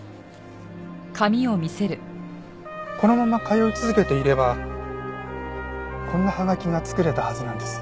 このまま通い続けていればこんな葉書が作れたはずなんです。